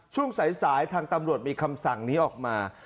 ช่วงสายทางตำรวจมีคำสั่งนี้ออกมา